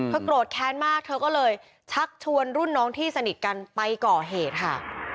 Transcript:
โกรธแค้นมากเธอก็เลยชักชวนรุ่นน้องที่สนิทกันไปก่อเหตุค่ะ